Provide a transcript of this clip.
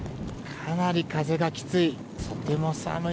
かなり風がきつい。